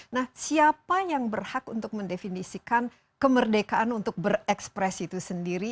nah siapa yang berhak untuk mendefinisikan kemerdekaan untuk berekspresi itu sendiri